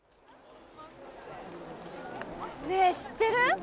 ねえ知ってる？